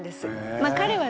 まあ彼はね